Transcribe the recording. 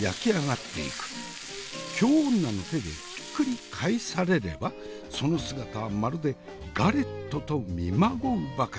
京女の手でひっくり返されればその姿はまるでガレットと見まごうばかり。